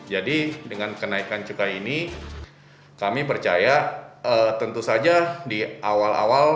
jadi dengan kenaikan cukai ini kami percaya tentu saja di awal awal